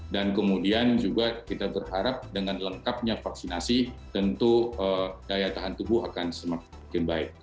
dan kemudian juga kita berharap dengan lengkapnya vaksinasi tentu daya tahan tubuh akan semakin baik